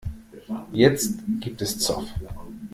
Jetzt gibt es Zoff.